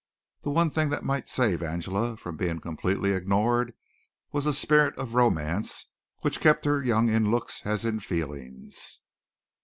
The one thing that might save Angela from being completely ignored was a spirit of romance which kept her young in looks as in feelings.